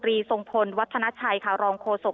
พลตรรีสงคลวัฒนาชัยคารองโครศก